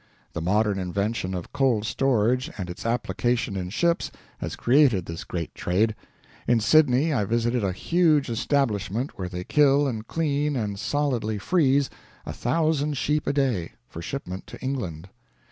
The modern invention of cold storage and its application in ships has created this great trade. In Sydney I visited a huge establishment where they kill and clean and solidly freeze a thousand sheep a day, for shipment to England.